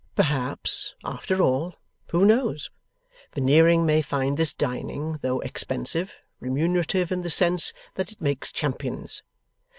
Perhaps, after all, who knows? Veneering may find this dining, though expensive, remunerative, in the sense that it makes champions.